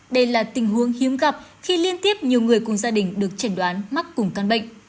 đây là tình huống hiếm gặp khi liên tiếp nhiều người cùng gia đình được chẩn đoán mắc cùng căn bệnh